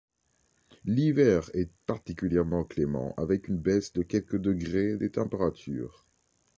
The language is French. L'hiver est particulièrement clément, avec une baisse de quelques degrés des températures.